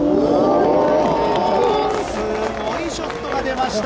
すごいショットが出ました。